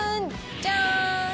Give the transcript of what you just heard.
じゃん。